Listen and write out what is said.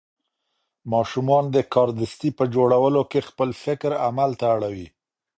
ماشومان د کاردستي په جوړولو کې خپل فکر عمل ته اړوي.